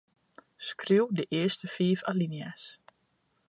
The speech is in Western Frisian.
Skriuw de earste fiif alinea's.